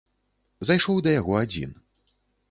Зайшоў да яго адзін.